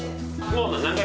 もう。